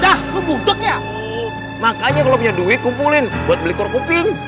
dah lo budak ya makanya kalau punya duit kumpulin buat beli korupin